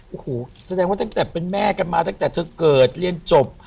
โอ้โหแสดงว่าตั้งแต่เป็นแม่กันมาตั้งแต่เธอเกิดเรียนจบ